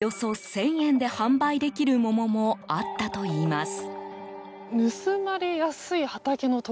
１個、およそ１０００円で販売できる桃もあったといいます。